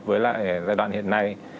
với lại giai đoạn hiện nay